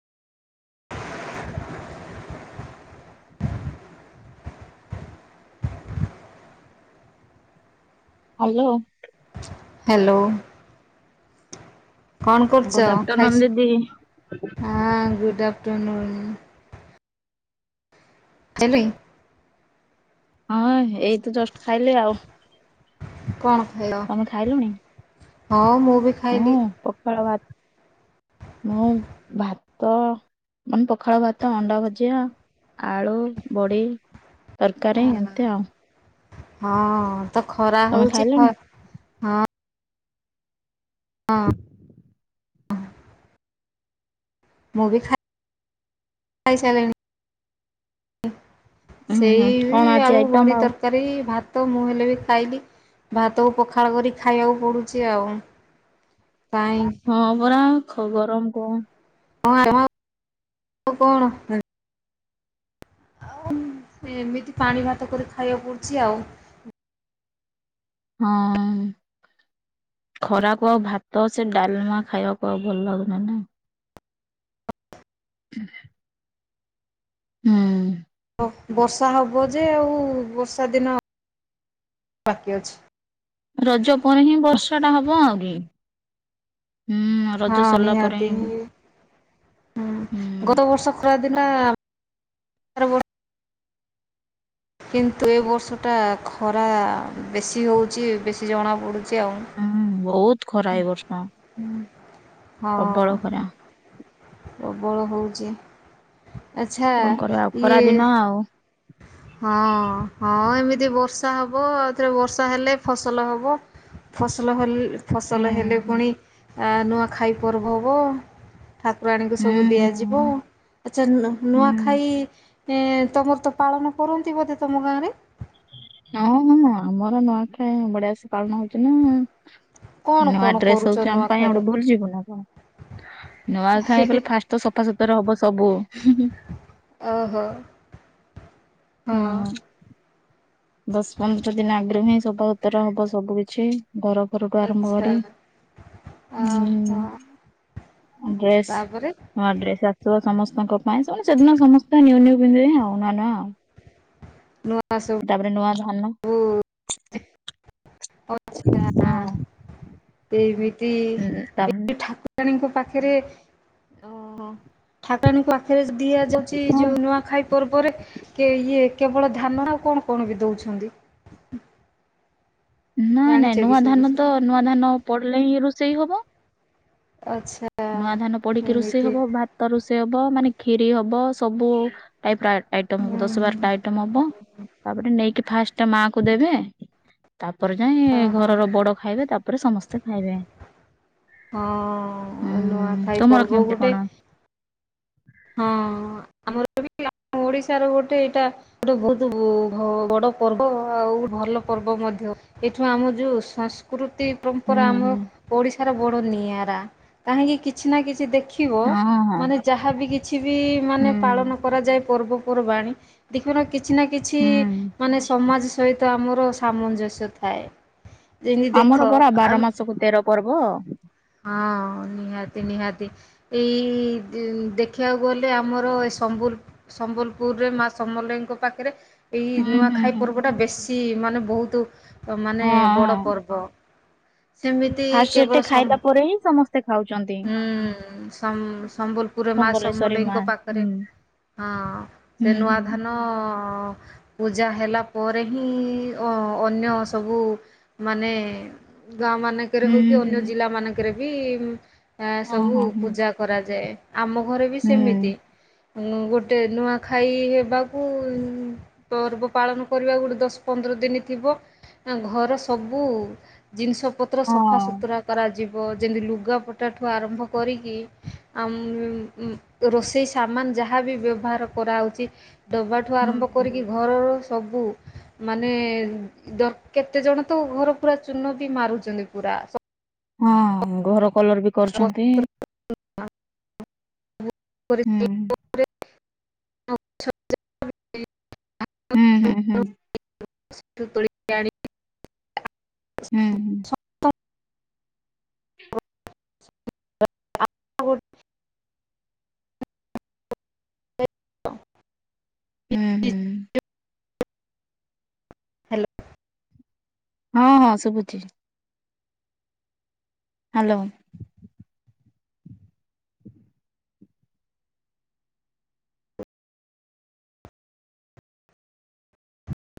Hello. Hello. କଣ କରୁଚ good ଖାଇ ଆଫ୍ଟରନୁନ ଦିଦି ହାଁ ଗୁଡ଼ ଆଫ୍ଟରର୍ନୁନ୍। ଚିଲ୍ଲୀ ହଁ ଏଇତ ଜଷ୍ଟ ଖାଇଲି ଆଉ। କଣ? ଖାଇଲ ତମେ ଖାଇଲୁଣି ହଁ ମୁଁ ବି ହଁ ଖାଇଲି ପଖାଳ ଭାତ ମୁଁ ଭାତ ମାନେ ପଖାଳ ଭାତ ଅଣ୍ଡା ଭଜା ଆଳୁ ବଡ଼ି ତରକାରୀ ଏମିତି ଆଉ। ହଁ। ତ ଖରା ତମେ ହଉଚି ଖ ଖାଇଲଣି? ହଁ। ହଁ। ମୁଁ ବି ଖା ଖାଇସାରିଲାଣି ହୁଁ ହୁଁ ସେଇ କଣ ବି ଆଜି ଆଳୁ ଆଇଟମ ବଡି ଆଉ? ତରକାରୀ ଭାତ ତ ମୁଁ ହେଲେ ବି ଖାଇଲି ଭାତକୁ ପଖାଳ କରି ଖାଇବାକୁ ପଡୁଚି ଆଉ। କାଇଁ ହଁ ପରା ଖବର ମ କଣ? ହଁ ହଁ ଆଉ କଣ ଆଉ ଏମିତି ପାଣି ଭାତ କରି ଖାଇବାକୁ ପଡୁଚି ଆଉ। ହଁ ଖରାକୁ ଆଉ ଭାତ ସେ ଡାଲମା ଖାଇବାକୁ ଆଉ ଭଲ ଲାଗୁନି ନା [inaudible] ହୁଁ ବର୍ଷା ହବ ଯେ ଆଉ ବର୍ଷା ଦିନ ବାକି ଅଛି। ରଜ କଣ ହି ବର୍ଷଟା ହବ ଆଗେ। [inaudible] ହଁ ନିହାତି ହି ହୁଁ ଗତ ବର୍ଷ ଖରାଦିନ। ଗତ ବର୍ଷ ଖରା ଦିନ ଥିଲା। କିନ୍ତୁ ଏ ବର୍ଷଟା ଖରା ବେଶୀ ହଉଛି ବେଶୀ ଜଣାପଡୁଛି। ହୁଁ ବହୁତ ଖରା ଏ ବର୍ଷ ହଁ ପ୍ରବଳ ଖରା ପ୍ରବଳ ହେଉଛି। କଣ କରିବା ଆଉ ଖରା ଦିନ ଆଉ। ହଁ ହଁ ଏମିତି ବର୍ଷା ହବ ଆଉଥରେ ବର୍ଷା ହେଲେ ଫସଲ ହବ ଫସଲ ହେଲେ ଫସଲ ହେଲେ ହୁଁ। ପୁଣି ନ ଖାଇ ପର୍ବ ହବ। ଠାକୁରାଣୀଙ୍କୁ ହୁଁ ସବୁ ଦିଆଯିବ ହୁଁ ଆଚ୍ଛା ହୁଁ ନୂଆ ଖାଇ ହଁ ତମର ତ ପାଳନ କରନ୍ତି ବୋଧେ ତମ ଗାଁ ରେ? ହଁ ହ ଆମର ନୂଆଖ ବଢିଆ ସେ ପାଳନ ହଉଛି ନା। କଣ ନୂଆ କଣ ଡ୍ରେସ କରୁଛ ହଉଛି ଆମ ପାଇଁ ଆ ନୂଆଖାଇରେ? ଗୋଟେ ଭୁଲ ଯିବୁ ନା କଣ ନୂଆ ଖାଇ କଲେ ଫାଷ୍ଟ ତ ସଫାସଫା। [unintelligible] ସବୁ ଓହୋ ହଁ ଦଶ ପନ୍ଦର ଦିନ ଆଗରୁ ହିଁ ସଫାସୁତର ହବ ସବୁ କିଛି। ଘର ଘରଠୁ ଆରମ୍ଭ ଆଚ୍ଛା କରି ଓହୋ ହୁଁ। ଡ୍ରେସ ତାପରେ ହ ଡ୍ରେସ୍ ଆସିବ ସମସ୍ତଙ୍କ। ଭାଇ ସେଦିନ ସମସ୍ତେ ନି ନି ପିନ୍ଧିବେ ଆଉ ନା ନା ଆଉ। [unintelligible] ତାପରେ ନୂଆ ଧାନ [inaudible] ହଁ ସିଏ ବି ଏ ଉଁ ତମ ଠାକୁରାଣୀଙ୍କ ପାଖରେ ଠାକୁରାଣୀଙ୍କ ପାଖ ଫରେ ଦିଆଯାଉଛି ଯେଉଁ ନୂଆଖାଇ ପର୍ବରେ କି ଇଏ କେବଳ ଧାନ ଆଉ କଣ କଣ ବି ଦଉଛନ୍ତି। ନାଇଁ ଜାଣିଛ ନାଇଁ କି ନୂଆ ସେ ଧାନ ବିଷୟ ତ ନୂଆ ଧାନ ପଡିଲେ ହିଁ ରୋଷେଇ ହବ ଆଚ୍ଛା ନୂଆ ଧାନ ପଡିକି ରୋଷେଇ ଏମିତି ହବ ଭାତ ରୋଷେଇ ହବ ମାନେ ଖିରି ହବ ସବୁ ଟଇପ ର ଆଇଟ ହୁଁ ହବ ଦଶ ବାରଟା ଆଇଟମ ହବ ତାପରେ ନେଇକି ଫାଷ୍ଟ ମାଙ୍କୁ ଦେବେ ତାପରେ ଯାଇଁ ଓହୋ ଘରର ବଡ ଖାଇବେ ତାପରେ ସମସ୍ତେ ଖାଇବେ। ହଁ। ହଁ ହୁଁ ନୂଆଖାଇ ତମର ପର୍ବ କେମିତି ଗୋଟେ କଣ? ହଁ ଆମର ବି ଓଡିଶାର ଗୋଟେ ଏଇଟା ଗୋଟେ ବହୁତ ଭ ବଡ ପର୍ବ ଆଉ ଭଲ ପର୍ବ ମଧ୍ୟ ଏଠୁ ଆମ ଯୋଉ ସଂସ୍କୃ ତି ହୁଁ ପରମ୍ପରା ଆମର ହୁଁ ଓଡ଼ିଶା ହାର ବଡ ନିଆରା କାହିଁକି କିଛି ନା କିଛି ଦେଖି ଖିବ ହଁ ହଁ ମାନେ ଯାହାବି କି ବି ମାନେ ହୁଁ ପାଳନ କରାଯାଏ। ପର୍ବପର୍ବାଣୀ ତିଖିନ କିଛି ନା କିଛି ହୁଁ ମାନେ ସମାଜ ସହିତ ଆମ ର ସାମଞ୍ଜସ୍ୟ ଥାଏ। ଯେମିତି ଦେଖ ଆମର ପରା ବାର ମାସକୁ ତେର ପର୍ବ। ହଁ ନିହାତି ନିହାତି ଏଇ ଦେଖିବାକୁ ଗଲେ ଆମର ଏ ସମ୍ବୁଲୁ ସମ୍ବଲପୁରରେ ମା ସମଲେଇଙ୍କ ପାଖରେ ଏଇ ହୁଁ ହୁଁ ନୂଆଖାଇ ହୁଁ ପର୍ବଟା ବେଶ ଚି ମାନେ ବହୁତୁ ତ ମାନେ ହଁ ବଡ ହଁ ପର୍ବ। ସେମିତି ଫାଷ୍ଟ ସେଠି କେବଳ ସମ୍ ଖାଇଲା ପରେ ହିଁ ସମସ୍ତେ ଖାଉଛନ୍ତି। ହୁଁ ସମ୍ବ ସମ୍ବଲପୁରରେ ମା ସମ୍ବଲେଶ୍ଵରୀ ମା ସମ୍ବଲେଇଙ୍କ ପାଖରେ ହୁଁ ହଁ ସେ ହୁଁ ନୂଆ ହୁଁ ଧାନ ଅଁ ପୂଜା ହେଲା ପରେ ହିଁ ଅ ଅନ୍ୟ ସବୁ ମାନେ ଗାଁ ମାନଙ୍କରେ ହଉ ହୁଁ କି ହୁଁ ଅନ୍ୟ ଜିଲ୍ଲା ମାନଙ୍କ କ୍ରେବି ଆ ହଁ ସବୁ ହଁ ହଁ ପୂଜା କରାଯାଏ। ଆମ ଘରେ ବି ସେମିତି। ହୁଁ ଉଁ ଗୋଟେ ନୂଆଖାଇ ହେବାକୁ ପର୍ବ ପାଳନ କରିବାକୁ ଗୋଟେ ଦଶ ପନ୍ଦର ଦିନ ଥିବ ଆଁ ଘର ସବୁ ଜିନିଷ ପତ୍ର ହଁ ସଫାସତୁରା କରା ବ ଯେମିତି ଲୁଗାପଟାଠୁ ଆରମ୍ଭ କରିକି ଆ ଉଁ ରୋଷେଇ ସାମାନ ଯାହା ବି ବ୍ୟବହାର କରାହୋଉଚି ଡବାଠୁ ଆରମ୍ଭ ହୁଁ କରିକି ହୁଁ। ଘରର ସବୁ ମାନେ ଦର କେତେଜଣ ତ ଘର ପୁରା ଚୂନ ବି ମାରୁଚନ୍ତି ପୁରା ସ ହଁ ଘର କଲର ବି କରୁଛନ୍ତି ହୁଁ। ହୁଁ ହୁଁ ହୁଁ ହୁଁ। [unintelligible] ତୋଳି ଆଣି [unintelligible] ହୁଁ ହୁଁ [unintelligible] ଉଁ ହୁଁ। ହାଲୋ। ହଁ ହଁ ଶୁଭୁଚି। ହାଲୋ।